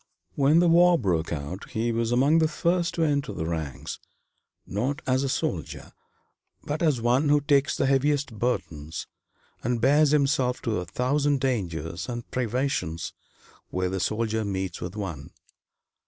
When the war broke out he was among the first to enter the ranks; not as a soldier, but as one who takes the heaviest burdens and bares himself to a thousand dangers and privations where the soldier meets with one.